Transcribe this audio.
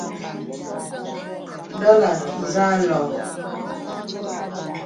Ndɔ̌là zà lɔ̄ɔ̄.